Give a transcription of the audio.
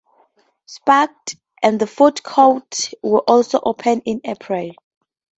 Spiked and the food court were also opened in April.